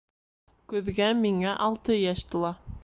Көҙгә миңә алты йәш тула.